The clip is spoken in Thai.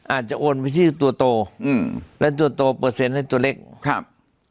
อาจจะโอนไปที่ตัวโตอืมและตัวโตเปอร์เซ็นต์ให้ตัวเล็กครับ